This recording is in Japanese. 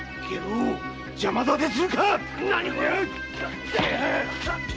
邪魔だてするか！